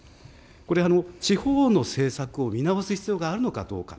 これは地方の政策を見直す必要があるのかどうか。